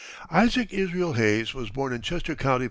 ] Isaac Israel Hayes was born in Chester County, Pa.